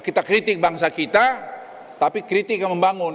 kita kritik bangsa kita tapi kritik yang membangun